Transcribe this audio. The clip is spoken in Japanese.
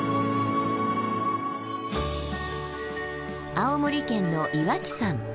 青森県の岩木山。